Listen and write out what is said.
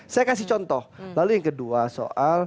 saya kasih contoh lalu yang kedua soal